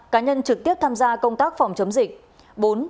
cá nhân trực tiếp tham gia công tác phòng chống dịch